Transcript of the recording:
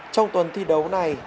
trong tuần thi đấu này